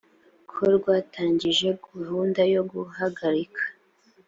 ko rwatangije gahunda yo guhagarika